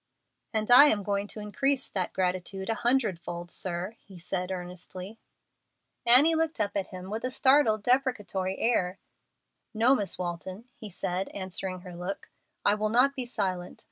"And I am going to increase that gratitude a hundred fold, sir," he said, earnestly. Annie looked up at him with a startled, deprecatory air. "No, Miss Walton," he said, answering her look, "I will not be silent.